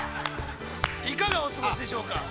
いかがおすごしでしょうか。